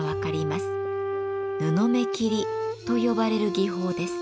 布目切りと呼ばれる技法です。